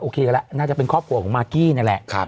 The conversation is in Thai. โอเคแล้วแหละน่าจะเป็นครอบครัวของมากี้นั่นแหละ